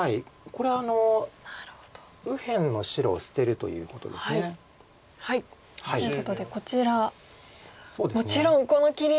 これ右辺の白を捨てるということです。ということでこちらもちろんこの切り。